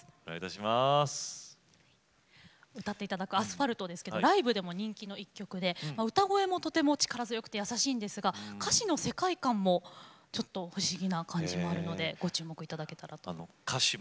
歌っていただく「アスファルト」ライブでも人気の１曲で歌声もとても力強くて優しいんですが、歌詞の世界観もちょっと不思議な感じがあるのでご注目いただけたら。